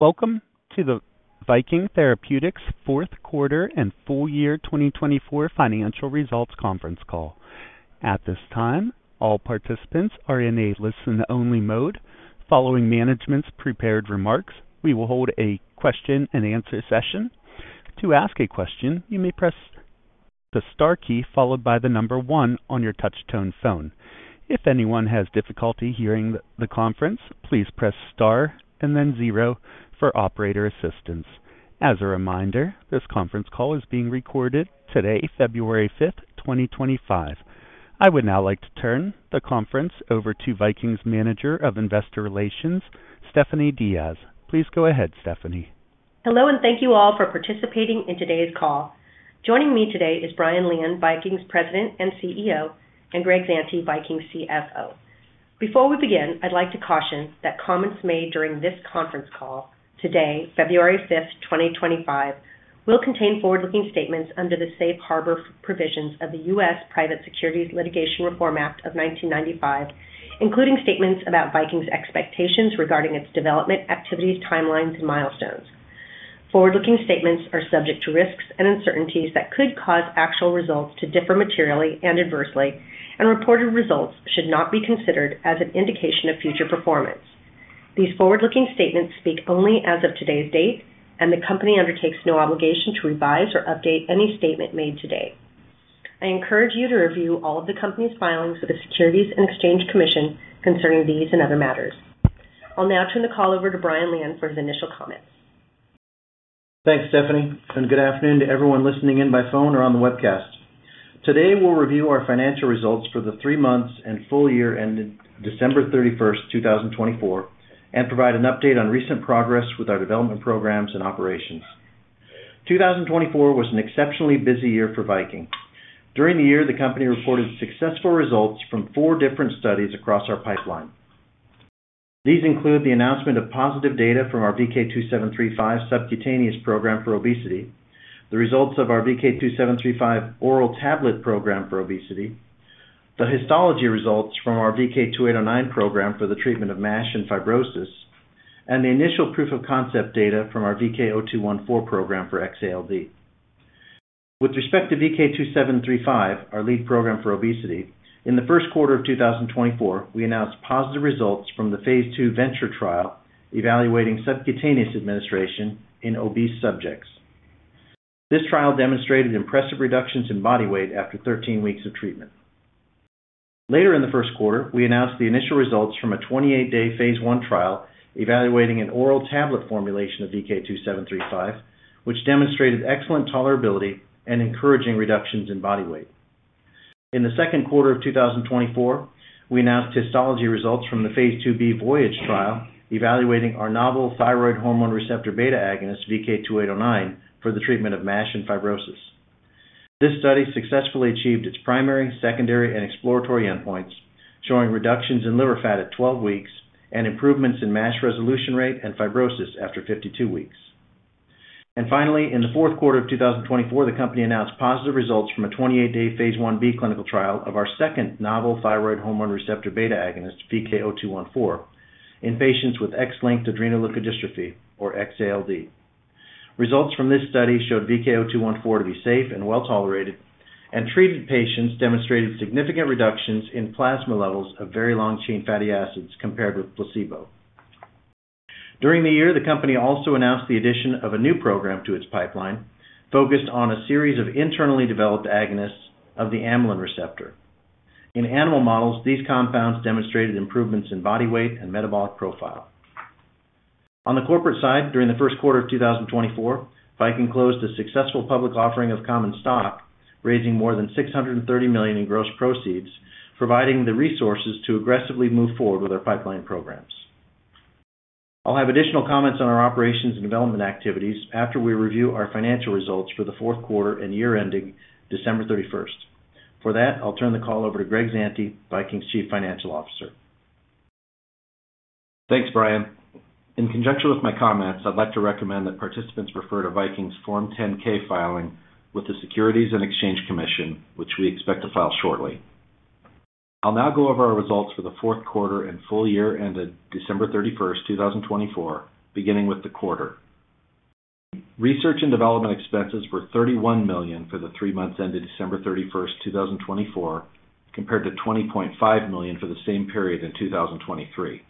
Welcome to the Viking Therapeutics fourth quarter and full year 2024 financial results conference call. At this time, all participants are in a listen-only mode. Following management's prepared remarks, we will hold a question-and-answer session. To ask a question, you may press the star key followed by the number one on your touch-tone phone. If anyone has difficulty hearing the conference, please press star and then zero for operator assistance. As a reminder, this conference call is being recorded today, February 5th, 2025. I would now like to turn the conference over to Viking's Manager of Investor Relations, Stephanie Diaz. Please go ahead, Stephanie. Hello and thank you all for participating in today's call. Joining me today is Brian Lian, Viking's President and CEO, and Greg Zante, Viking's CFO. Before we begin, I'd like to caution that comments made during this conference call today, February 5th, 2025, will contain forward-looking statements under the safe harbor provisions of the U.S. Private Securities Litigation Reform Act of 1995, including statements about Viking's expectations regarding its development activities, timelines, and milestones. Forward-looking statements are subject to risks and uncertainties that could cause actual results to differ materially and adversely, and reported results should not be considered as an indication of future performance. These forward-looking statements speak only as of today's date, and the company undertakes no obligation to revise or update any statement made today. I encourage you to review all of the company's filings with the Securities and Exchange Commission concerning these and other matters. I'll now turn the call over to Brian Lian for his initial comments. Thanks, Stephanie, and good afternoon to everyone listening in by phone or on the webcast. Today, we'll review our financial results for the three months and full year ended December 31st, 2024, and provide an update on recent progress with our development programs and operations. 2024 was an exceptionally busy year for Viking. During the year, the company reported successful results from four different studies across our pipeline. These include the announcement of positive data from our VK2735 subcutaneous program for obesity, the results of our VK2735 oral tablet program for obesity, the histology results from our VK2809 program for the treatment of MASH and fibrosis, and the initial proof of concept data from our VK0214 program for XALD. With respect to VK2735, our lead program for obesity, in the first quarter of 2024, we announced positive results from the Phase 2 Venture trial evaluating subcutaneous administration in obese subjects. This trial demonstrated impressive reductions in body weight after 13 weeks of treatment. Later in the first quarter, we announced the initial results from a 28-day Phase 1 trial evaluating an oral tablet formulation of VK2735, which demonstrated excellent tolerability and encouraging reductions in body weight. In the second quarter of 2024, we announced histology results from the Phase 2B Voyage trial evaluating our novel thyroid hormone receptor beta agonist, VK2809, for the treatment of MASH and fibrosis. This study successfully achieved its primary, secondary, and exploratory endpoints, showing reductions in liver fat at 12 weeks and improvements in MASH resolution rate and fibrosis after 52 weeks. Finally, in the fourth quarter of 2024, the company announced positive results from a 28-day Phase 1B clinical trial of our second novel thyroid hormone receptor beta agonist, VK0214, in patients with X-linked adrenoleukodystrophy, or XALD. Results from this study showed VK0214 to be safe and well tolerated, and treated patients demonstrated significant reductions in plasma levels of very long-chain fatty acids compared with placebo. During the year, the company also announced the addition of a new program to its pipeline focused on a series of internally developed agonists of the amylin receptor. In animal models, these compounds demonstrated improvements in body weight and metabolic profile. On the corporate side, during the first quarter of 2024, Viking closed a successful public offering of common stock, raising more than $630 million in gross proceeds, providing the resources to aggressively move forward with our pipeline programs. I'll have additional comments on our operations and development activities after we review our financial results for the fourth quarter and year-ending December 31st. For that, I'll turn the call over to Greg Zante, Viking's Chief Financial Officer. Thanks, Brian. In conjunction with my comments, I'd like to recommend that participants refer to Viking's Form 10-K filing with the Securities and Exchange Commission, which we expect to file shortly. I'll now go over our results for the fourth quarter and full year ended December 31st, 2024, beginning with the quarter. Research and development expenses were $31 million for the three months ended December 31st, 2024, compared to $20.5 million for the same period in 2023.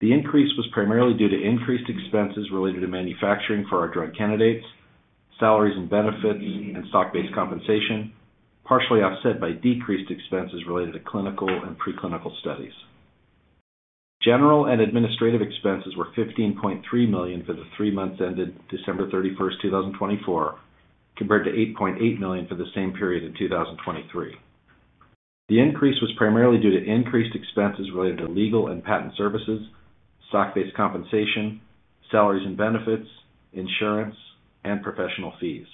The increase was primarily due to increased expenses related to manufacturing for our drug candidates, salaries and benefits, and stock-based compensation, partially offset by decreased expenses related to clinical and preclinical studies. General and administrative expenses were $15.3 million for the three months ended December 31st, 2024, compared to $8.8 million for the same period in 2023. The increase was primarily due to increased expenses related to legal and patent services, stock-based compensation, salaries and benefits, insurance, and professional fees.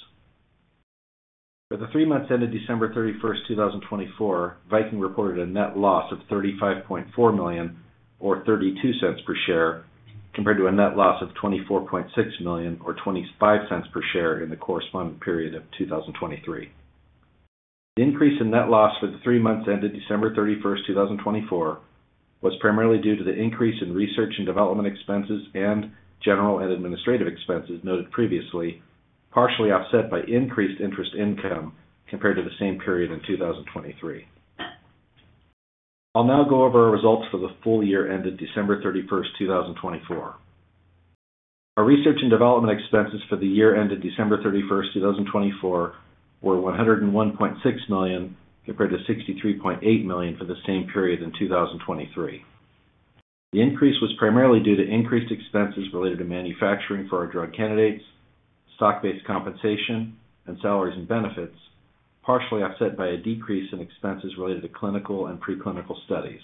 For the three months ended December 31st, 2024, Viking reported a net loss of $35.4 million, or $0.32 per share, compared to a net loss of $24.6 million, or $0.25 per share in the corresponding period of 2023. The increase in net loss for the three months ended December 31st, 2024, was primarily due to the increase in research and development expenses and general and administrative expenses noted previously, partially offset by increased interest income compared to the same period in 2023. I'll now go over our results for the full year ended December 31st, 2024. Our research and development expenses for the year ended December 31st, 2024, were $101.6 million compared to $63.8 million for the same period in 2023. The increase was primarily due to increased expenses related to manufacturing for our drug candidates, stock-based compensation, and salaries and benefits, partially offset by a decrease in expenses related to clinical and preclinical studies.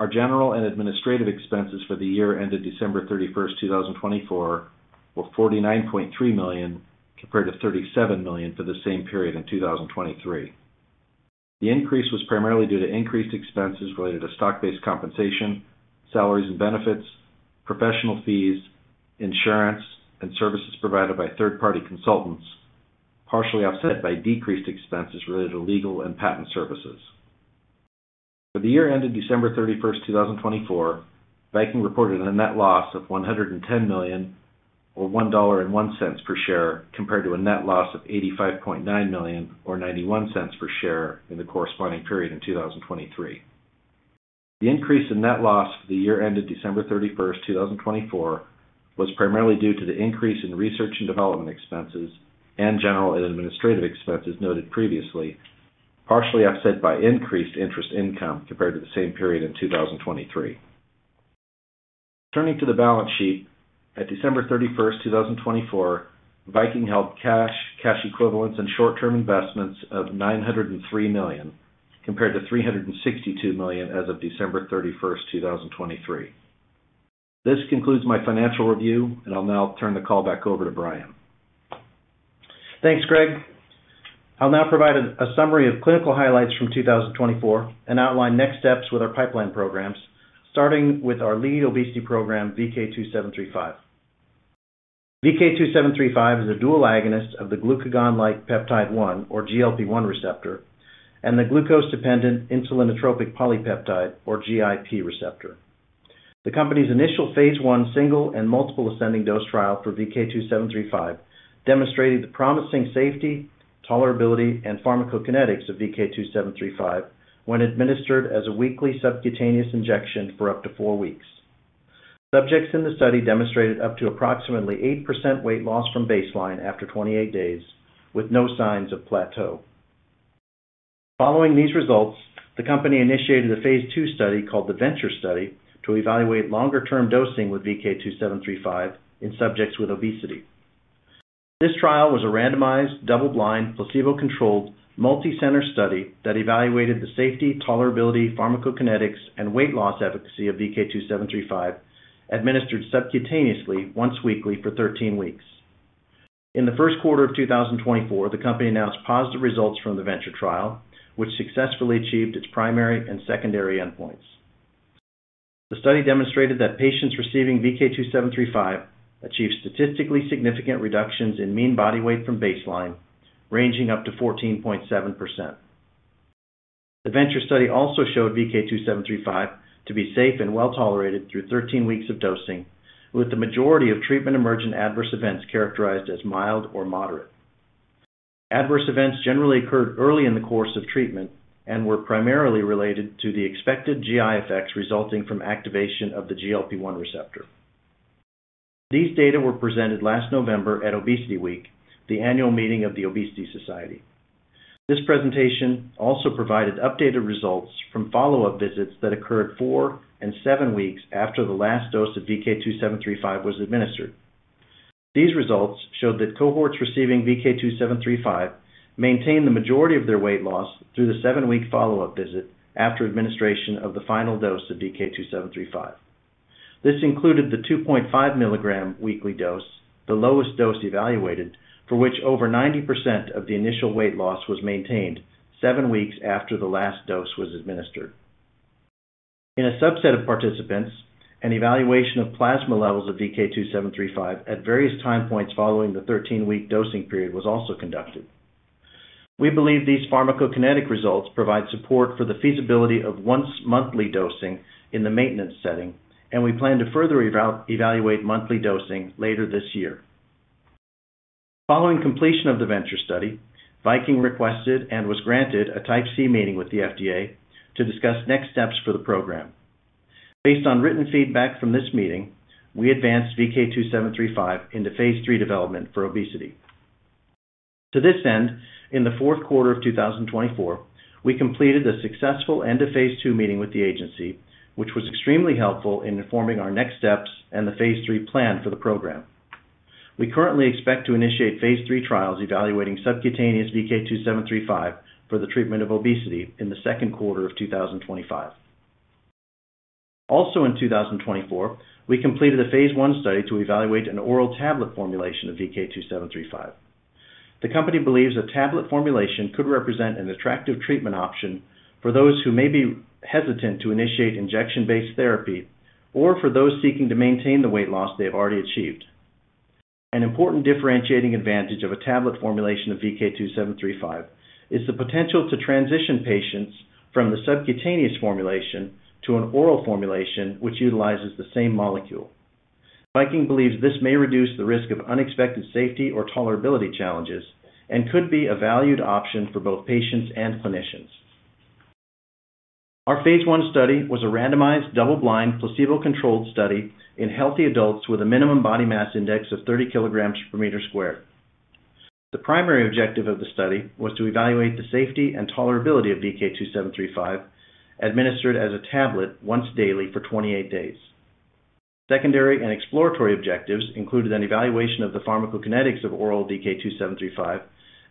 Our general and administrative expenses for the year ended December 31st, 2024, were $49.3 million compared to $37 million for the same period in 2023. The increase was primarily due to increased expenses related to stock-based compensation, salaries and benefits, professional fees, insurance, and services provided by third-party consultants, partially offset by decreased expenses related to legal and patent services. For the year ended December 31st, 2024, Viking reported a net loss of $110 million, or $1.01 per share, compared to a net loss of $85.9 million, or $0.91 per share in the corresponding period in 2023. The increase in net loss for the year ended December 31st, 2024, was primarily due to the increase in research and development expenses and general and administrative expenses noted previously, partially offset by increased interest income compared to the same period in 2023. Turning to the balance sheet, at December 31st, 2024, Viking held cash, cash equivalents, and short-term investments of $903 million compared to $362 million as of December 31st, 2023. This concludes my financial review, and I'll now turn the call back over to Brian. Thanks, Greg. I'll now provide a summary of clinical highlights from 2024 and outline next steps with our pipeline programs, starting with our lead obesity program, VK2735. VK2735 is a dual agonist of the glucagon-like peptide-1, or GLP-1 receptor, and the glucose-dependent insulinotropic polypeptide, or GIP receptor. The company's initial Phase 1 single and multiple ascending dose trial for VK2735 demonstrated the promising safety, tolerability, and pharmacokinetics of VK2735 when administered as a weekly subcutaneous injection for up to four weeks. Subjects in the study demonstrated up to approximately 8% weight loss from baseline after 28 days, with no signs of plateau. Following these results, the company initiated a Phase 2 study called the Venture study to evaluate longer-term dosing with VK2735 in subjects with obesity. This trial was a randomized, double-blind, placebo-controlled, multi-center study that evaluated the safety, tolerability, pharmacokinetics, and weight loss efficacy of VK2735 administered subcutaneously once weekly for 13 weeks. In the first quarter of 2024, the company announced positive results from the Venture trial, which successfully achieved its primary and secondary endpoints. The study demonstrated that patients receiving VK2735 achieved statistically significant reductions in mean body weight from baseline, ranging up to 14.7%. The Venture study also showed VK2735 to be safe and well tolerated through 13 weeks of dosing, with the majority of treatment-emergent adverse events characterized as mild or moderate. Adverse events generally occurred early in the course of treatment and were primarily related to the expected GI effects resulting from activation of the GLP-1 receptor. These data were presented last November at Obesity Week, the annual meeting of the Obesity Society. This presentation also provided updated results from follow-up visits that occurred four and seven weeks after the last dose of VK2735 was administered. These results showed that cohorts receiving VK2735 maintained the majority of their weight loss through the seven-week follow-up visit after administration of the final dose of VK2735. This included the 2.5 mg weekly dose, the lowest dose evaluated, for which over 90% of the initial weight loss was maintained seven weeks after the last dose was administered. In a subset of participants, an evaluation of plasma levels of VK2735 at various time points following the 13-week dosing period was also conducted. We believe these pharmacokinetic results provide support for the feasibility of once-monthly dosing in the maintenance setting, and we plan to further evaluate monthly dosing later this year. Following completion of the Venture study, Viking requested and was granted a Type C meeting with the FDA to discuss next steps for the program. Based on written feedback from this meeting, we advanced VK2735 into Phase 3 development for obesity. To this end, in the fourth quarter of 2024, we completed a successful end-of-Phase 2 meeting with the agency, which was extremely helpful in informing our next steps and the Phase 3 plan for the program. We currently expect to initiate Phase 3 trials evaluating subcutaneous VK2735 for the treatment of obesity in the second quarter of 2025. Also in 2024, we completed a Phase 1 study to evaluate an oral tablet formulation of VK2735. The company believes a tablet formulation could represent an attractive treatment option for those who may be hesitant to initiate injection-based therapy or for those seeking to maintain the weight loss they have already achieved. An important differentiating advantage of a tablet formulation of VK2735 is the potential to transition patients from the subcutaneous formulation to an oral formulation which utilizes the same molecule. Viking believes this may reduce the risk of unexpected safety or tolerability challenges and could be a valued option for both patients and clinicians. Our Phase 1 study was a randomized, double-blind, placebo-controlled study in healthy adults with a minimum body mass index of 30 kg per meter squared. The primary objective of the study was to evaluate the safety and tolerability of VK2735 administered as a tablet once daily for 28 days. Secondary and exploratory objectives included an evaluation of the pharmacokinetics of oral VK2735,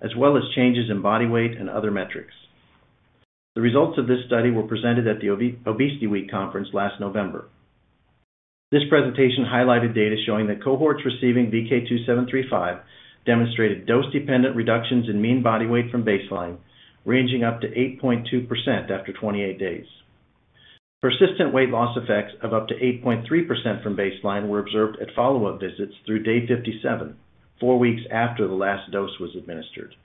as well as changes in body weight and other metrics. The results of this study were presented at the Obesity Week conference last November. This presentation highlighted data showing that cohorts receiving VK2735 demonstrated dose-dependent reductions in mean body weight from baseline, ranging up to 8.2% after 28 days. Persistent weight loss effects of up to 8.3% from baseline were observed at follow-up visits through day 57, four weeks after the last dose was administered.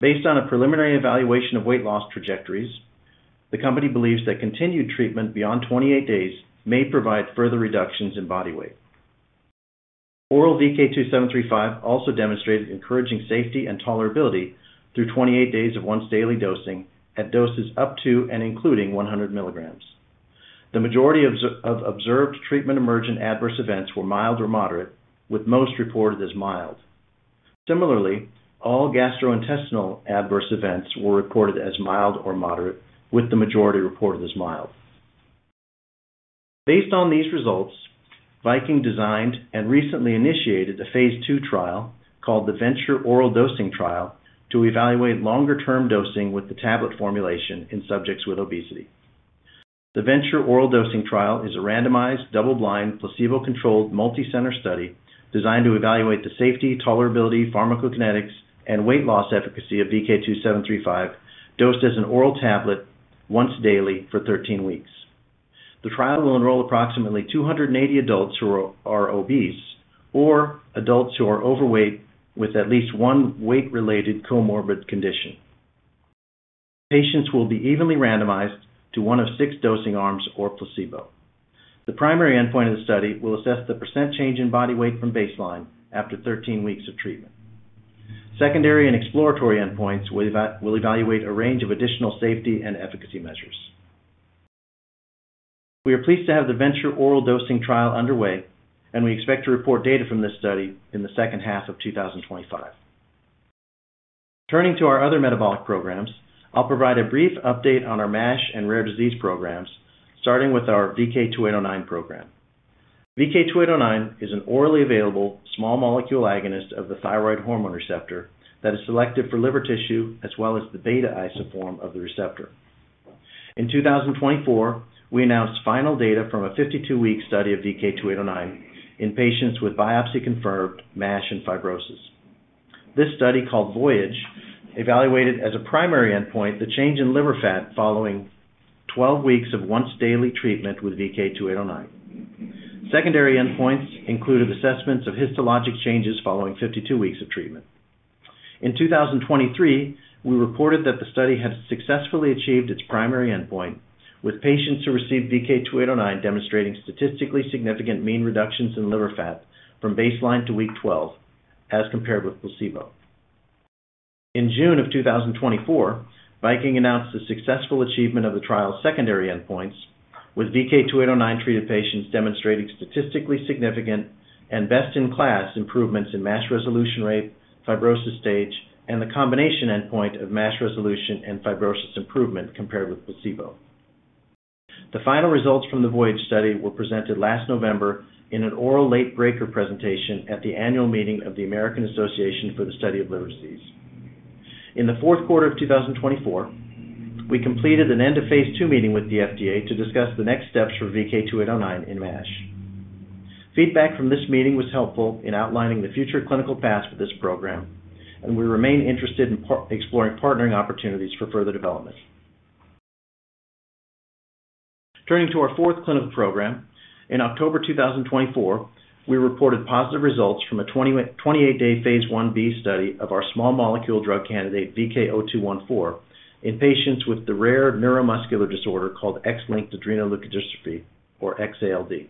Based on a preliminary evaluation of weight loss trajectories, the company believes that continued treatment beyond 28 days may provide further reductions in body weight. Oral VK2735 also demonstrated encouraging safety and tolerability through 28 days of once-daily dosing at doses up to and including 100 mg. The majority of observed treatment-emergent adverse events were mild or moderate, with most reported as mild. Similarly, all gastrointestinal adverse events were reported as mild or moderate, with the majority reported as mild. Based on these results, Viking designed and recently initiated a Phase 2 trial called the Venture Oral Dosing Trial to evaluate longer-term dosing with the tablet formulation in subjects with obesity. The Venture Oral Dosing Trial is a randomized, double-blind, placebo-controlled, multi-center study designed to evaluate the safety, tolerability, pharmacokinetics, and weight loss efficacy of VK2735 dosed as an oral tablet once daily for 13 weeks. The trial will enroll approximately 280 adults who are obese or adults who are overweight with at least one weight-related comorbid condition. Patients will be evenly randomized to one of six dosing arms or placebo. The primary endpoint of the study will assess the % change in body weight from baseline after 13 weeks of treatment. Secondary and exploratory endpoints will evaluate a range of additional safety and efficacy measures. We are pleased to have the Venture Oral Dosing Trial underway, and we expect to report data from this study in the second half of 2025. Turning to our other metabolic programs, I'll provide a brief update on our MASH and rare disease programs, starting with our VK2809 program. VK2809 is an orally available small-molecule agonist of the thyroid hormone receptor that is selected for liver tissue as well as the beta isoform of the receptor. In 2024, we announced final data from a 52-week study of VK2809 in patients with biopsy-confirmed MASH and fibrosis. This study, called Voyage, evaluated as a primary endpoint the change in liver fat following 12 weeks of once-daily treatment with VK2809. Secondary endpoints included assessments of histologic changes following 52 weeks of treatment. In 2023, we reported that the study had successfully achieved its primary endpoint, with patients who received VK2809 demonstrating statistically significant mean reductions in liver fat from baseline to week 12 as compared with placebo. In June of 2024, Viking announced the successful achievement of the trial's secondary endpoints, with VK2809-treated patients demonstrating statistically significant and best-in-class improvements in MASH resolution rate, fibrosis stage, and the combination endpoint of MASH resolution and fibrosis improvement compared with placebo. The final results from the Voyage study were presented last November in an oral late-breaker presentation at the annual meeting of the American Association for the Study of Liver Diseases. In the fourth quarter of 2024, we completed an end-of-Phase 2 meeting with the FDA to discuss the next steps for VK2809 in MASH. Feedback from this meeting was helpful in outlining the future clinical path for this program, and we remain interested in exploring partnering opportunities for further development. Turning to our fourth clinical program, in October 2024, we reported positive results from a 28-day Phase 1B study of our small-molecule drug candidate VK0214 in patients with the rare neuromuscular disorder called X-linked adrenoleukodystrophy, or XALD.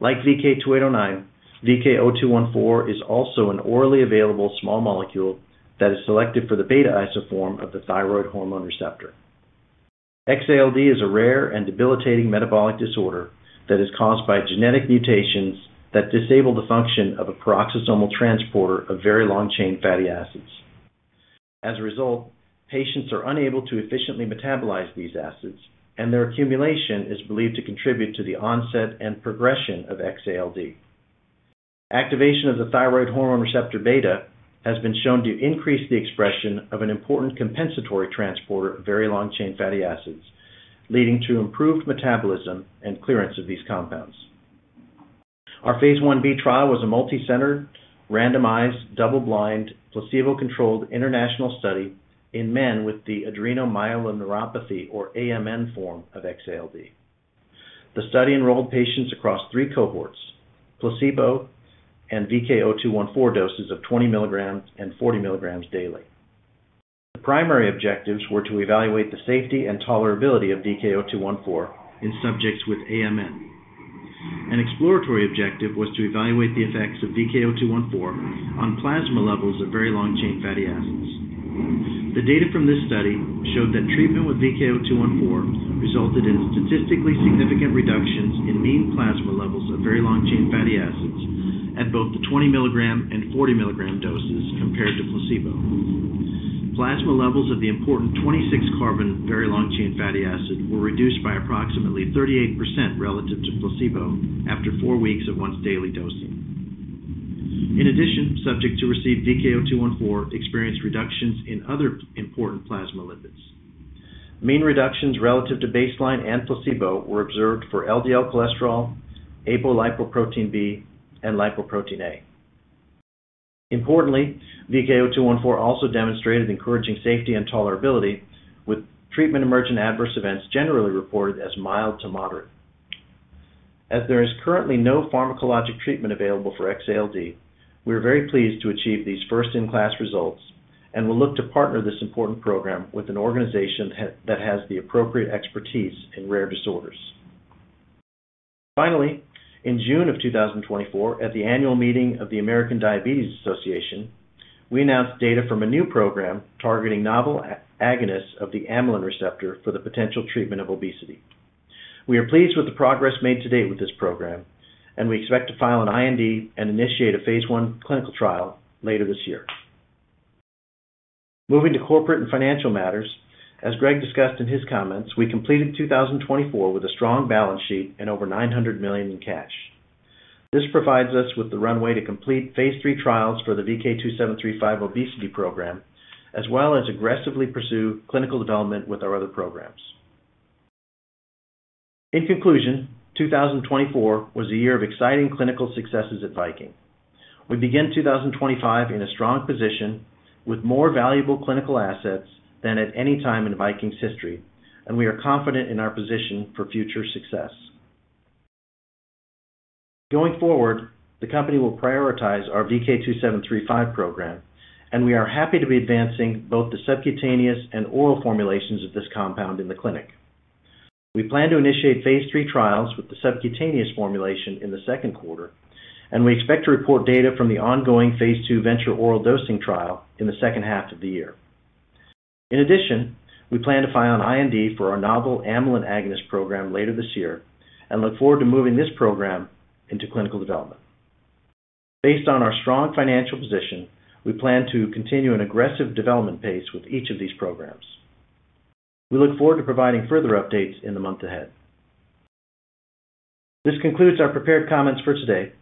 Like VK2809, VK0214 is also an orally available small molecule that is selected for the beta isoform of the thyroid hormone receptor. XALD is a rare and debilitating metabolic disorder that is caused by genetic mutations that disable the function of a peroxisomal transporter of very long-chain fatty acids. As a result, patients are unable to efficiently metabolize these acids, and their accumulation is believed to contribute to the onset and progression of XALD. Activation of the thyroid hormone receptor beta has been shown to increase the expression of an important compensatory transporter of very long-chain fatty acids, leading to improved metabolism and clearance of these compounds. Our Phase 1B trial was a multi-centered, randomized, double-blind, placebo-controlled international study in men with the adrenomyeloneuropathy, or AMN, form of XALD. The study enrolled patients across three cohorts: placebo and VK0214 doses of 20 mg and 40 mg daily. The primary objectives were to evaluate the safety and tolerability of VK0214 in subjects with AMN. An exploratory objective was to evaluate the effects of VK0214 on plasma levels of very long-chain fatty acids. The data from this study showed that treatment with VK0214 resulted in statistically significant reductions in mean plasma levels of very long-chain fatty acids at both the 20 mg and 40 mg doses compared to placebo. Plasma levels of the important 26-carbon very long-chain fatty acid were reduced by approximately 38% relative to placebo after four weeks of once-daily dosing. In addition, subjects who received VK0214 experienced reductions in other important plasma lipids. Mean reductions relative to baseline and placebo were observed for LDL cholesterol, apolipoprotein B, and lipoprotein(a). Importantly, VK0214 also demonstrated encouraging safety and tolerability, with treatment-emergent adverse events generally reported as mild to moderate. As there is currently no pharmacologic treatment available for XALD, we are very pleased to achieve these first-in-class results and will look to partner this important program with an organization that has the appropriate expertise in rare disorders. Finally, in June of 2024, at the annual meeting of the American Diabetes Association, we announced data from a new program targeting novel agonists of the amylin receptor for the potential treatment of obesity. We are pleased with the progress made to date with this program, and we expect to file an IND and initiate a Phase 1 clinical trial later this year. Moving to corporate and financial matters, as Greg discussed in his comments, we completed 2024 with a strong balance sheet and over $900 million in cash. This provides us with the runway to complete Phase 3 trials for the VK2735 obesity program, as well as aggressively pursue clinical development with our other programs. In conclusion, 2024 was a year of exciting clinical successes at Viking. We begin 2025 in a strong position with more valuable clinical assets than at any time in Viking's history, and we are confident in our position for future success. Going forward, the company will prioritize our VK2735 program, and we are happy to be advancing both the subcutaneous and oral formulations of this compound in the clinic. We plan to initiate Phase 3 trials with the subcutaneous formulation in the second quarter, and we expect to report data from the ongoing Phase 2 Venture Oral Dosing Trial in the second half of the year. In addition, we plan to file an IND for our novel amylin agonist program later this year and look forward to moving this program into clinical development. Based on our strong financial position, we plan to continue an aggressive development pace with each of these programs. We look forward to providing further updates in the month ahead. This concludes our prepared comments for today.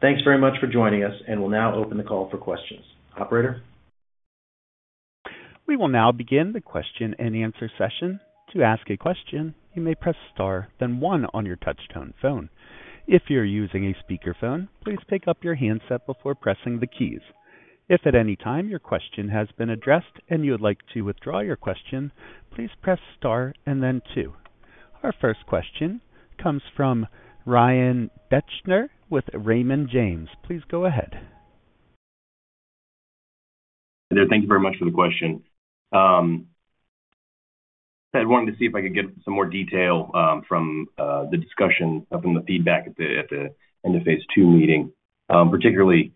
Thanks very much for joining us, and we'll now open the call for questions. Operator. We will now begin the question-and-answer session. To ask a question, you may press star, then one on your touch-tone phone. If you're using a speakerphone, please pick up your handset before pressing the keys. If at any time your question has been addressed and you would like to withdraw your question, please press star and then two. Our first question comes from Ryan Deschner with Raymond James. Please go ahead. Hey there. Thank you very much for the question. I wanted to see if I could get some more detail from the discussion from the feedback at the end of Phase 2 meeting, particularly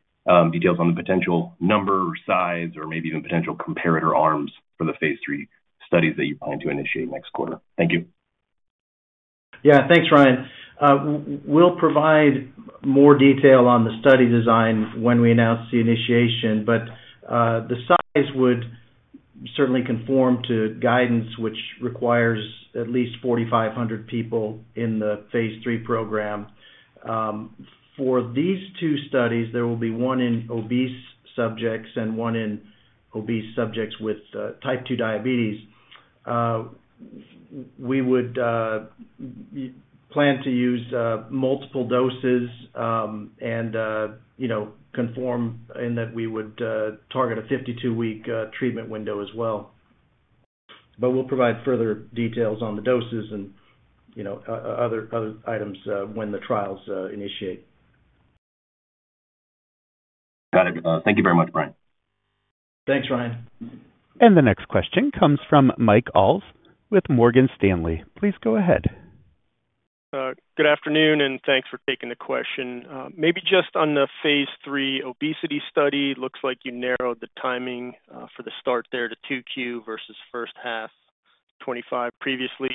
details on the potential number, size, or maybe even potential comparator arms for the Phase 3 studies that you plan to initiate next quarter. Thank you. Yeah, thanks, Ryan. We'll provide more detail on the study design when we announce the initiation, but the size would certainly conform to guidance, which requires at least 4,500 people in the Phase 3 program. For these two studies, there will be one in obese subjects and one in obese subjects with type 2 diabetes. We would plan to use multiple doses and conform in that we would target a 52-week treatment window as well. But we'll provide further details on the doses and other items when the trials initiate. Got it. Thank you very much, Brian. Thanks, Ryan. The next question comes from Michael Ulz with Morgan Stanley. Please go ahead. Good afternoon, and thanks for taking the question. Maybe just on the Phase 3 obesity study, it looks like you narrowed the timing for the start there to 2Q versus first half 2025. Previously,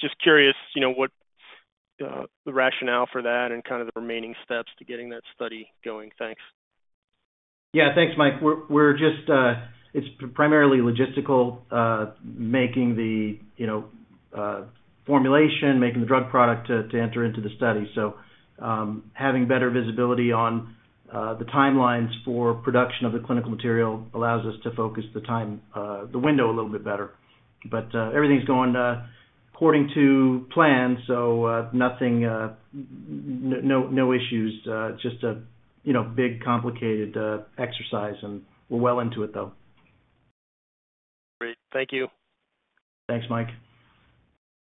just curious what the rationale for that and kind of the remaining steps to getting that study going. Thanks. Yeah, thanks, Mike. It's primarily logistical, making the formulation, making the drug product to enter into the study. So having better visibility on the timelines for production of the clinical material allows us to focus the window a little bit better. But everything's going according to plan, so no issues, just a big complicated exercise, and we're well into it, though. Great. Thank you. Thanks, Mike.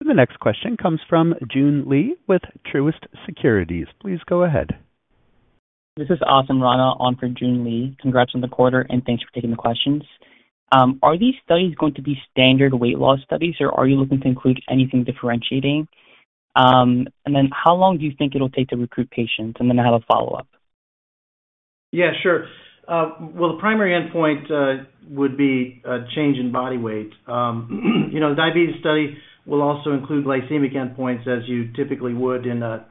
The next question comes from Joon Lee with Truist Securities. Please go ahead. This is Asim Rana on for Joon Lee. Congrats on the quarter, and thanks for taking the questions. Are these studies going to be standard weight loss studies, or are you looking to include anything differentiating? And then how long do you think it'll take to recruit patients? And then I have a follow-up. Yeah, sure. Well, the primary endpoint would be a change in body weight. The diabetes study will also include glycemic endpoints as you typically would in a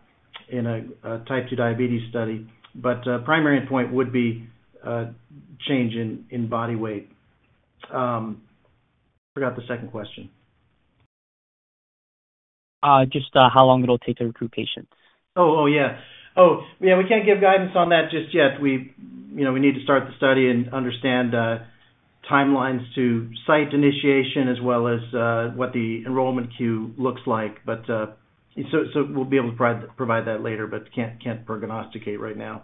type 2 diabetes study, but the primary endpoint would be change in body weight. I forgot the second question. Just how long it'll take to recruit patients? We can't give guidance on that just yet. We need to start the study and understand timelines to site initiation as well as what the enrollment queue looks like. So we'll be able to provide that later, but can't prognosticate right now.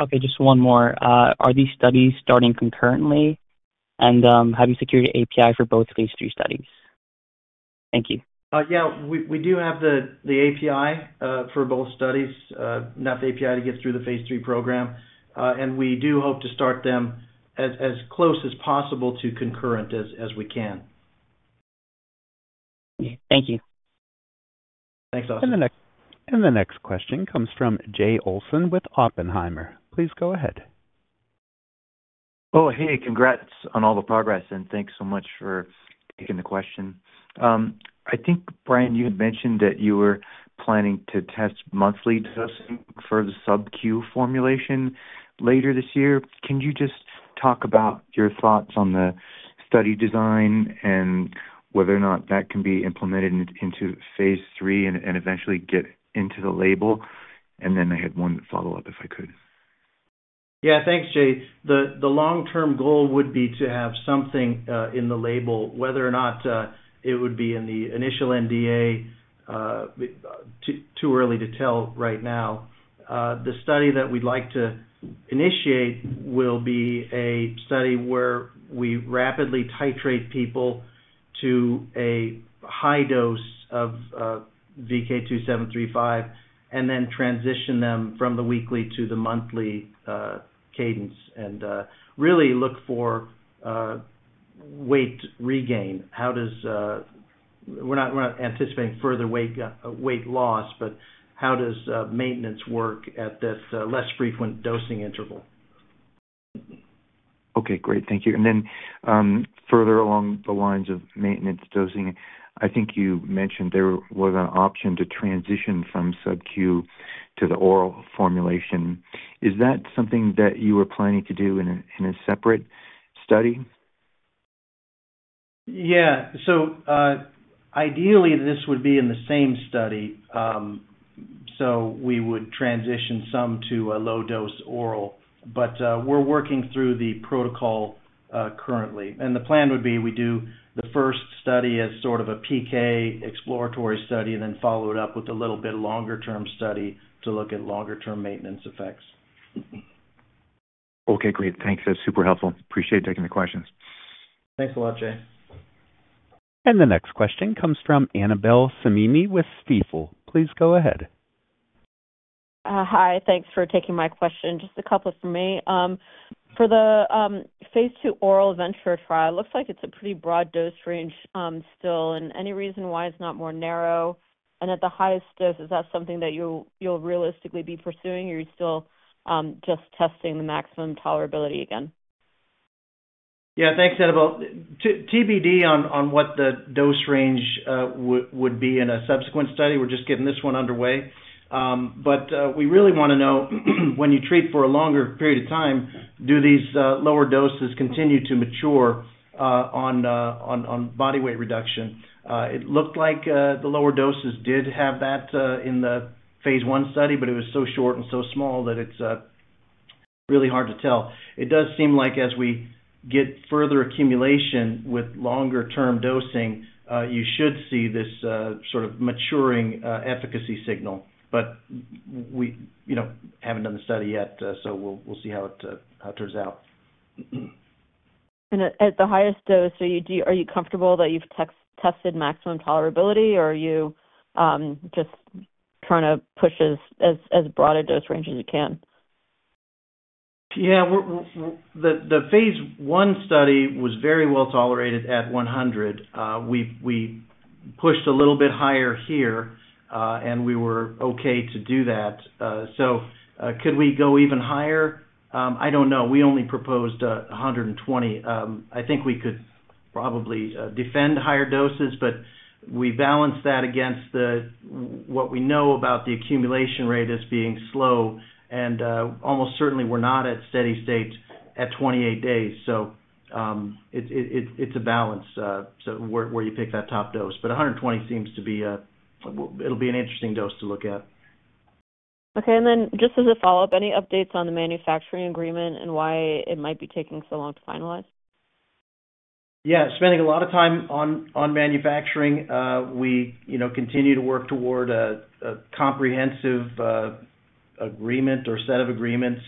Okay, just one more. Are these studies starting concurrently, and have you secured an API for both of these three studies? Thank you. Yeah, we do have the API for both studies, enough API to get through the Phase 3 program, and we do hope to start them as close as possible to concurrent as we can. Thank you. Thanks, Asim. The next question comes from Jay Olsen with Oppenheimer. Please go ahead. Oh, hey, congrats on all the progress, and thanks so much for taking the question. I think, Brian, you had mentioned that you were planning to test monthly dosing for the sub-Q formulation later this year. Can you just talk about your thoughts on the study design and whether or not that can be implemented into Phase 3 and eventually get into the label? And then I had one follow-up, if I could. Yeah, thanks, Jay. The long-term goal would be to have something in the label, whether or not it would be in the initial NDA. Too early to tell right now. The study that we'd like to initiate will be a study where we rapidly titrate people to a high dose of VK2735 and then transition them from the weekly to the monthly cadence and really look for weight regain. We're not anticipating further weight loss, but how does maintenance work at this less frequent dosing interval? Okay, great. Thank you. And then further along the lines of maintenance dosing, I think you mentioned there was an option to transition from sub-Q to the oral formulation. Is that something that you were planning to do in a separate study? Yeah, so ideally, this would be in the same study, so we would transition some to a low-dose oral, but we're working through the protocol currently, and the plan would be we do the first study as sort of a PK exploratory study and then follow it up with a little bit longer-term study to look at longer-term maintenance effects. Okay, great. Thanks. That's super helpful. Appreciate taking the questions. Thanks a lot, Jay. The next question comes from Annabel Samimy with Stifel. Please go ahead. Hi, thanks for taking my question. Just a couple for me. For the Phase 2 oral VENTURE trial, it looks like it's a pretty broad dose range still. And any reason why it's not more narrow? And at the highest dose, is that something that you'll realistically be pursuing, or are you still just testing the maximum tolerability again? Yeah, thanks, Annabel. TBD on what the dose range would be in a subsequent study. We're just getting this one underway. But we really want to know when you treat for a longer period of time, do these lower doses continue to mature on body weight reduction? It looked like the lower doses did have that in the Phase 1 study, but it was so short and so small that it's really hard to tell. It does seem like as we get further accumulation with longer-term dosing, you should see this sort of maturing efficacy signal, but we haven't done the study yet, so we'll see how it turns out. At the highest dose, are you comfortable that you've tested maximum tolerability, or are you just trying to push as broad a dose range as you can? Yeah, the Phase 1 study was very well tolerated at 100. We pushed a little bit higher here, and we were okay to do that. So could we go even higher? I don't know. We only proposed 120. I think we could probably defend higher doses, but we balance that against what we know about the accumulation rate as being slow, and almost certainly we're not at steady state at 28 days. So it's a balance where you pick that top dose. But 120 seems to be a—it'll be an interesting dose to look at. Okay. And then just as a follow-up, any updates on the manufacturing agreement and why it might be taking so long to finalize? Yeah, spending a lot of time on manufacturing. We continue to work toward a comprehensive agreement or set of agreements,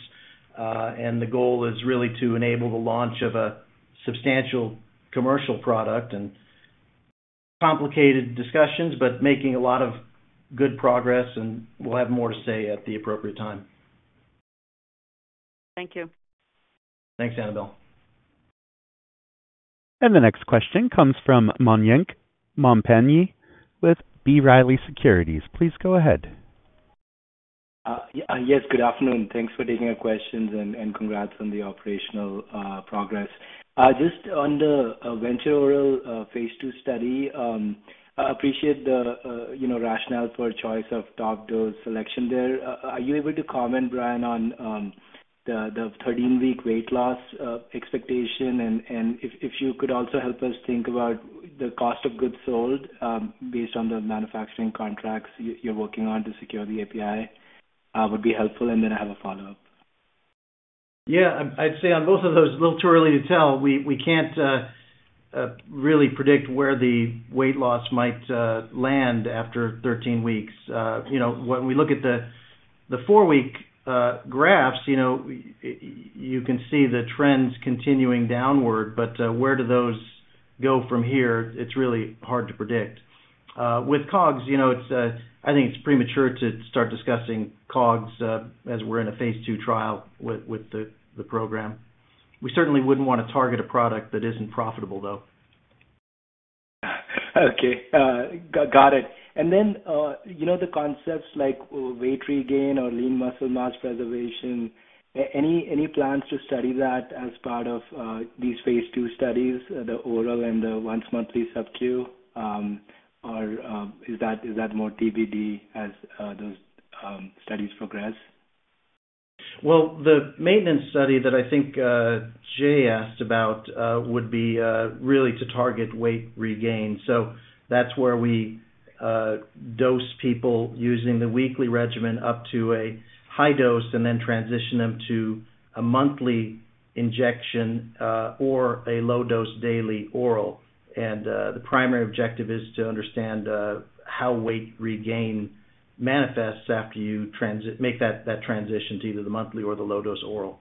and the goal is really to enable the launch of a substantial commercial product, and complicated discussions, but making a lot of good progress, and we'll have more to say at the appropriate time. Thank you. Thanks, Annabelle. The next question comes from Mayank Mamtani with B. Riley Securities. Please go ahead. Yes, good afternoon. Thanks for taking our questions, and congrats on the operational progress. Just on the VK2735 Oral Phase 2 study, I appreciate the rationale for choice of top-dose selection there. Are you able to comment, Brian, on the 13-week weight loss expectation? And if you could also help us think about the cost of goods sold based on the manufacturing contracts you're working on to secure the API, that would be helpful, and then I have a follow-up. Yeah, I'd say on both of those, a little too early to tell. We can't really predict where the weight loss might land after 13 weeks. When we look at the four-week graphs, you can see the trends continuing downward, but where do those go from here? It's really hard to predict. With COGS, I think it's premature to start discussing COGS as we're in a Phase 2 trial with the program. We certainly wouldn't want to target a product that isn't profitable, though. Okay. Got it. And then the concepts like weight regain or lean muscle mass preservation, any plans to study that as part of these Phase 2 studies, the oral and the once-monthly sub-Q? Or is that more TBD as those studies progress? The maintenance study that I think Jay asked about would be really to target weight regain. That's where we dose people using the weekly regimen up to a high dose and then transition them to a monthly injection or a low-dose daily oral. The primary objective is to understand how weight regain manifests after you make that transition to either the monthly or the low-dose oral.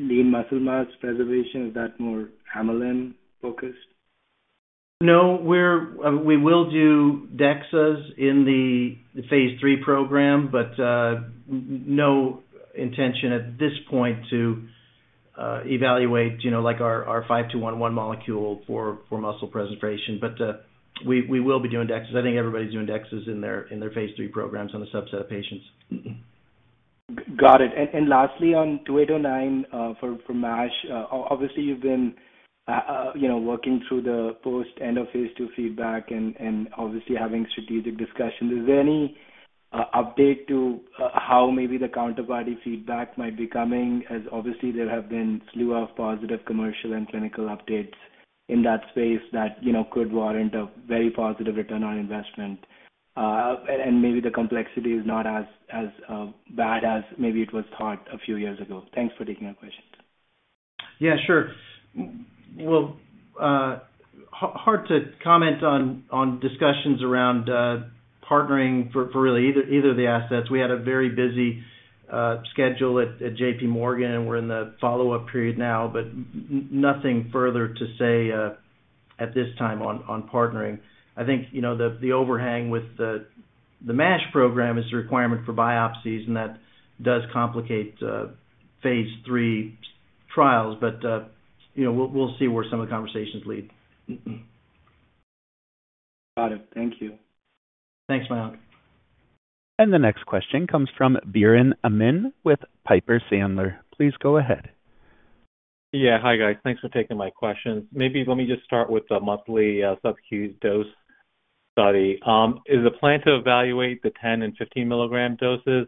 Lean muscle mass preservation, is that more amylin-focused? No, we will do DEXAs in the Phase 3 program, but no intention at this point to evaluate our VK5211 molecule for muscle preservation. But we will be doing DEXAs. I think everybody's doing DEXAs in their Phase 3 programs on a subset of patients. Got it. And lastly, on VK2809 for MASH, obviously, you've been working through the post-end of Phase 2 feedback and obviously having strategic discussions. Is there any update to how maybe the counterparty feedback might be coming? Obviously, there have been a slew of positive commercial and clinical updates in that space that could warrant a very positive return on investment, and maybe the complexity is not as bad as maybe it was thought a few years ago. Thanks for taking our questions. Yeah, sure. Well, hard to comment on discussions around partnering for really either of the assets. We had a very busy schedule at JP Morgan, and we're in the follow-up period now, but nothing further to say at this time on partnering. I think the overhang with the MASH program is the requirement for biopsies, and that does complicate Phase 3 trials, but we'll see where some of the conversations lead. Got it. Thank you. Thanks, Mayank. The next question comes from Biren Amin with Piper Sandler. Please go ahead. Yeah, hi, guys. Thanks for taking my questions. Maybe let me just start with the monthly sub-Q dose study. Is the plan to evaluate the 10 mg and 15 mg doses?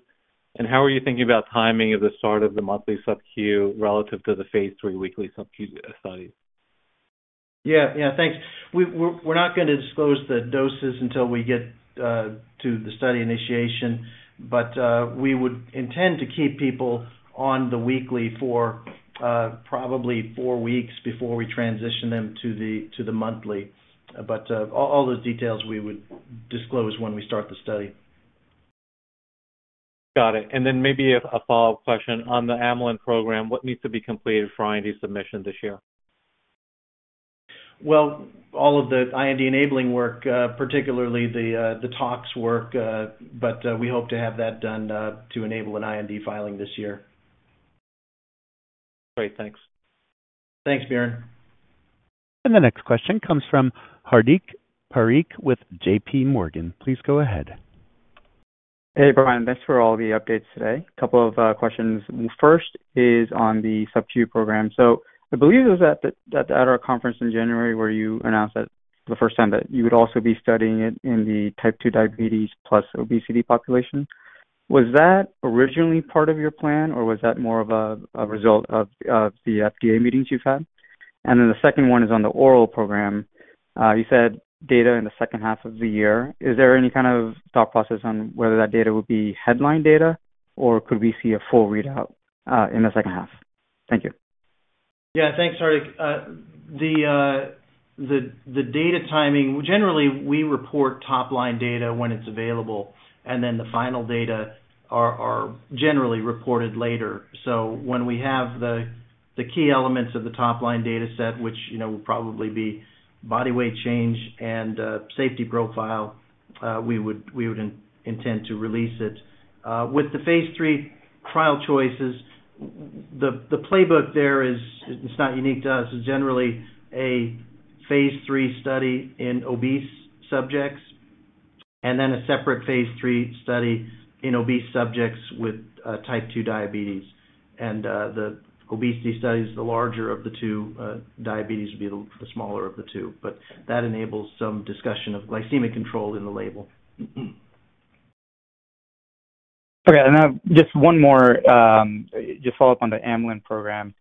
How are you thinking about timing of the start of the monthly sub-Q relative to the Phase 3 weekly sub-Q study? Yeah, yeah, thanks. We're not going to disclose the doses until we get to the study initiation, but we would intend to keep people on the weekly for probably four weeks before we transition them to the monthly. But all those details we would disclose when we start the study. Got it. And then maybe a follow-up question. On the amylin program, what needs to be completed for IND submission this year? All of the IND enabling work, particularly the TOX work, but we hope to have that done to enable an IND filing this year. Great, thanks. Thanks, Biren. And the next question comes from Hardik Parikh with J.P. Morgan. Please go ahead. Hey, Brian. Thanks for all the updates today. A couple of questions. First is on the sub-Q program. So I believe it was at our conference in January where you announced for the first time that you would also be studying it in the type 2 diabetes plus obesity population. Was that originally part of your plan, or was that more of a result of the FDA meetings you've had? And then the second one is on the oral program. You said data in the second half of the year. Is there any kind of thought process on whether that data would be headline data, or could we see a full readout in the second half? Thank you. Yeah, thanks, Hardik. The data timing, generally, we report top-line data when it's available, and then the final data are generally reported later. So when we have the key elements of the top-line data set, which will probably be body weight change and safety profile, we would intend to release it. With the Phase 3 trial choices, the playbook there is. It's not unique to us. It's generally a Phase 3 study in obese subjects and then a separate Phase 3 study in obese subjects with type 2 diabetes. And the obesity study is the larger of the two. Diabetes would be the smaller of the two. But that enables some discussion of glycemic control in the label. Okay. And just one more, just follow-up on the amylin program.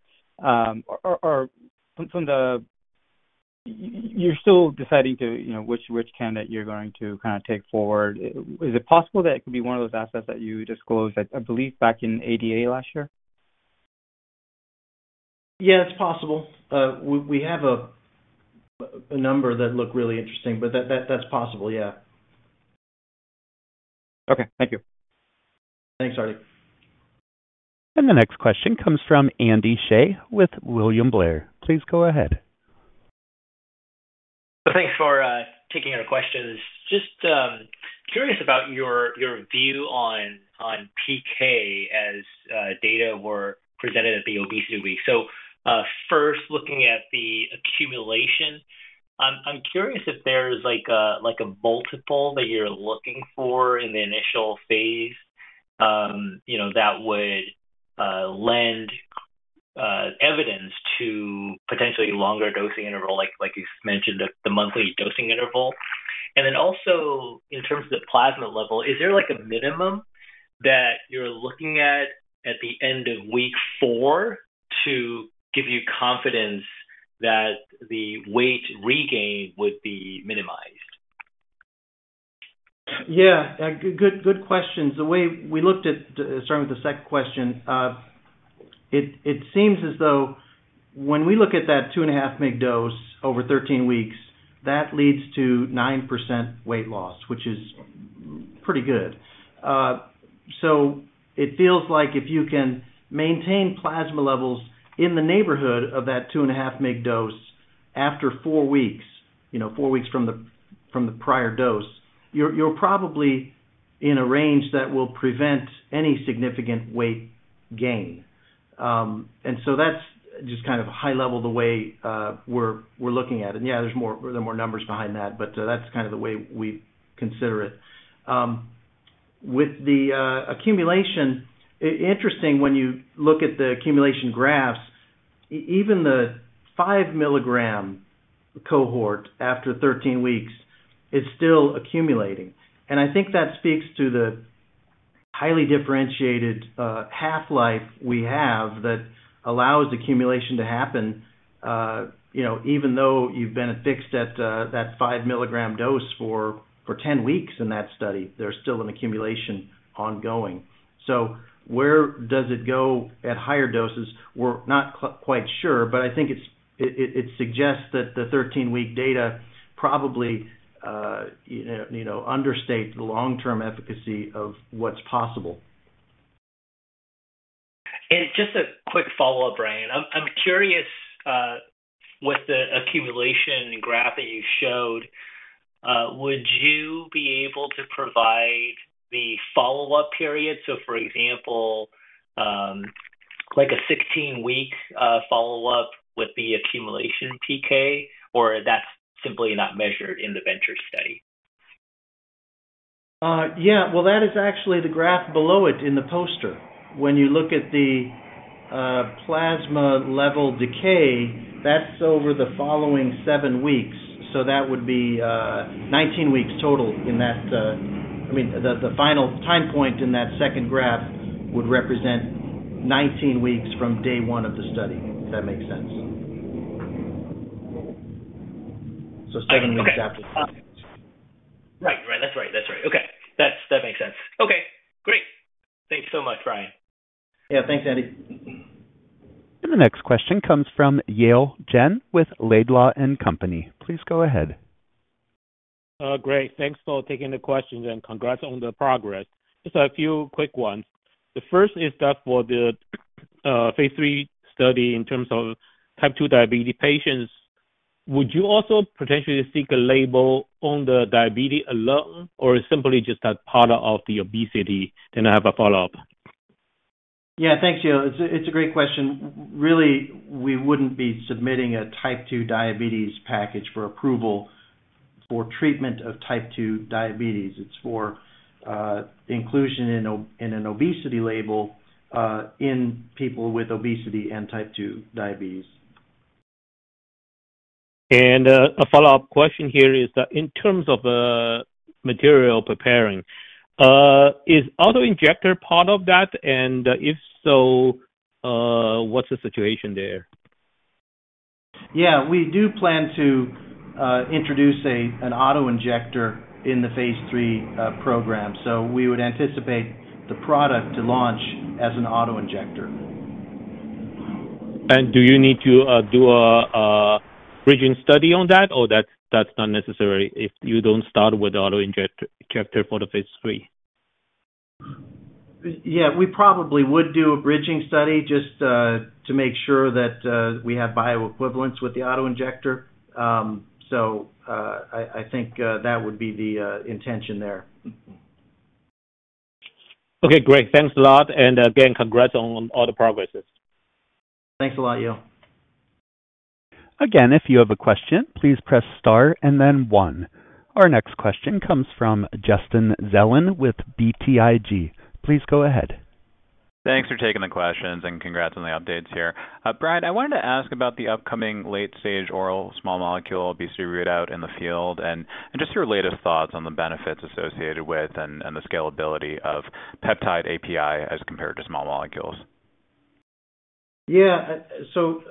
You're still deciding which candidate you're going to kind of take forward. Is it possible that it could be one of those assets that you disclosed, I believe, back in ADA last year? Yeah, it's possible. We have a number that look really interesting, but that's possible, yeah. Okay. Thank you. Thanks, Hardik. The next question comes from Andy Hsieh with William Blair. Please go ahead. Thanks for taking our questions. Just curious about your view on PK as data were presented at Obesity Week. So first, looking at the accumulation, I'm curious if there's a multiple that you're looking for in the initial phase that would lend evidence to potentially a longer dosing interval, like you mentioned, the monthly dosing interval. And then also, in terms of the plasma level, is there a minimum that you're looking at at the end of week four to give you confidence that the weight regain would be minimized? Yeah, good questions. The way we looked at starting with the second question, it seems as though when we look at that 2.5 mg dose over 13 weeks, that leads to 9% weight loss, which is pretty good. So it feels like if you can maintain plasma levels in the neighborhood of that 2.5 mg dose after four weeks, four weeks from the prior dose, you're probably in a range that will prevent any significant weight gain. And so that's just kind of high-level the way we're looking at it. Yeah, there are more numbers behind that, but that's kind of the way we consider it. With the accumulation, interesting, when you look at the accumulation graphs, even the 5 mg cohort after 13 weeks is still accumulating. And I think that speaks to the highly differentiated half-life we have that allows accumulation to happen even though you've been fixed at that 5 mg dose for 10 weeks in that study. There's still an accumulation ongoing. So where does it go at higher doses? We're not quite sure, but I think it suggests that the 13-week data probably understate the long-term efficacy of what's possible. Just a quick follow-up, Brian. I'm curious, with the accumulation graph that you showed, would you be able to provide the follow-up period? So, for example, a 16-week follow-up with the accumulation PK, or that's simply not measured in the VENTURE study? Yeah. Well, that is actually the graph below it in the poster. When you look at the plasma level decay, that's over the following seven weeks. So that would be 19 weeks total in that, I mean, the final time point in that second graph would represent 19 weeks from day one of the study, if that makes sense. So seven weeks after. Right, right. That's right. That's right. Okay. That makes sense. Okay. Great. Thanks so much, Brian. Yeah, thanks, Andy. The next question comes from Yale Jen with Laidlaw & Company. Please go ahead. Great. Thanks for taking the question, and congrats on the progress. Just a few quick ones. The first is that for the Phase 3 study in terms of type 2 diabetes patients, would you also potentially seek a label on the diabetes alone, or is it simply just a part of the obesity? Then I have a follow-up. Yeah, thanks, Yale. It's a great question. Really, we wouldn't be submitting a type 2 diabetes package for approval for treatment of type 2 diabetes. It's for inclusion in an obesity label in people with obesity and type 2 diabetes. A follow-up question here is that in terms of material preparation, is autoinjector part of that? And if so, what's the situation there? Yeah. We do plan to introduce an autoinjector in the Phase 3 program. So we would anticipate the product to launch as an autoinjector. Do you need to do a bridging study on that, or that's not necessary if you don't start with the autoinjector for the Phase 3? Yeah. We probably would do a bridging study just to make sure that we have bioequivalence with the autoinjector. So I think that would be the intention there. Okay. Great. Thanks a lot. And again, congrats on all the progresses. Thanks a lot, Yale. Again, if you have a question, please press star and then one. Our next question comes from Justin Zelin with BTIG. Please go ahead. Thanks for taking the questions and congrats on the updates here. Brian, I wanted to ask about the upcoming late-stage oral small-molecule obesity readout in the field and just your latest thoughts on the benefits associated with and the scalability of peptide API as compared to small molecules. Yeah. So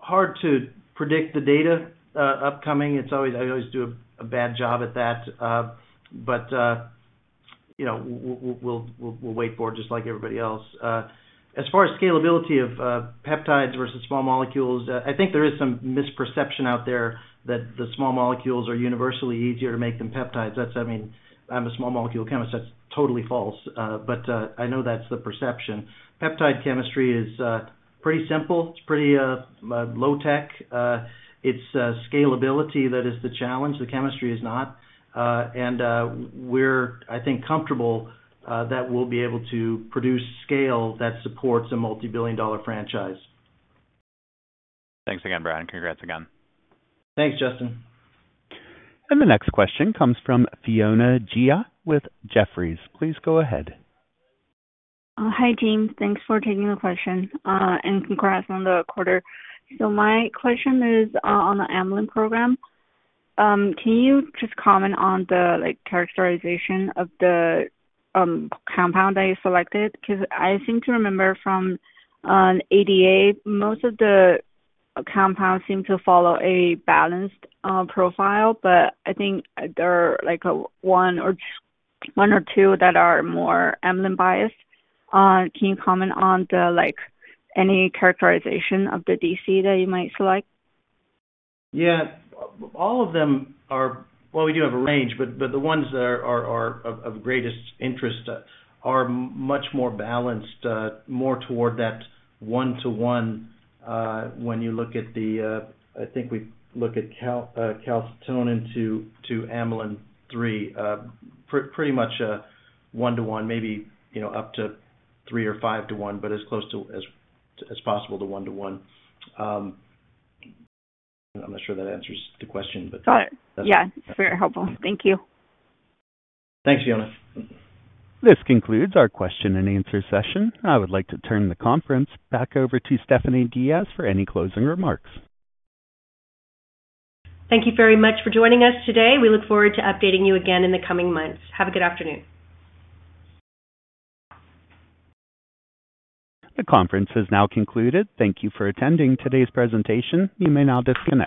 hard to predict the data upcoming. I always do a bad job at that, but we'll wait for it just like everybody else. As far as scalability of peptides versus small molecules, I think there is some misperception out there that the small molecules are universally easier to make than peptides. I mean, I'm a small-molecule chemist. That's totally false, but I know that's the perception. Peptide chemistry is pretty simple. It's pretty low-tech. It's scalability that is the challenge. The chemistry is not. And we're, I think, comfortable that we'll be able to produce scale that supports a multi-billion-dollar franchise. Thanks again, Brian. Congrats again. Thanks, Justin. The next question comes from Fiona Ji with Jefferies. Please go ahead. Hi, James. Thanks for taking the question and congrats on the quarter. So my question is on the amylin program. Can you just comment on the characterization of the compound that you selected? Because I seem to remember from ADA, most of the compounds seem to follow a balanced profile, but I think there are one or two that are more amylin-biased. Can you comment on any characterization of the DC that you might select? Yeah. All of them are, well, we do have a range, but the ones that are of greatest interest are much more balanced, more toward that one-to-one when you look at the, I think we look at calcitonin to amylin, pretty much one-to-one, maybe up to three or five-to-one, but as close as possible to one-to-one. I'm not sure that answers the question, but. Got it. Yeah. It's very helpful. Thank you. Thanks, Fiona. This concludes our question-and-answer session. I would like to turn the conference back over to Stephanie Diaz for any closing remarks. Thank you very much for joining us today. We look forward to updating you again in the coming months. Have a good afternoon. The conference has now concluded. Thank you for attending today's presentation. You may now disconnect.